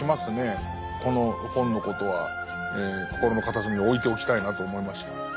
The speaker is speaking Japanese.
この本のことは心の片隅に置いておきたいなと思いました。